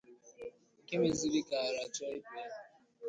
nke mezịrị ka ara chọọ ịpụ ya